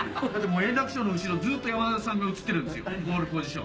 もう、円楽師匠の後ろ、ずっと山田さんが映ってるんですよ。